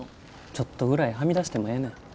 ちょっとぐらいはみ出してもええねん。